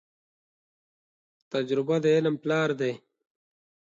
تجربه د علم پلار دي.